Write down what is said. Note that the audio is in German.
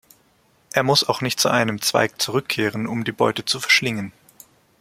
Er muss auch nicht zu einem Zweig zurückkehren, um die Beute zu verschlingen.